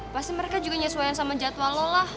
pasti mereka juga nyesuaian sama jadwal lo lah